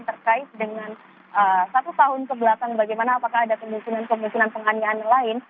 terkait dengan satu tahun kebelakang bagaimana apakah ada kemungkinan kemungkinan penganian lain